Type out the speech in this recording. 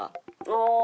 ああ！